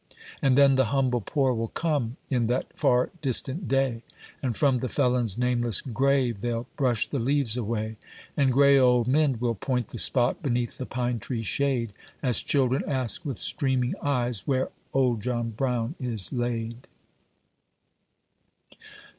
And then the humble poor will come. In that far distant day, And from the felon's nameless grave They '11 brush the leaves away ; And gray old men will point the spot Beneath the pine tree shade, As children ask with streaming eyes Where " Old John Brown" is laid.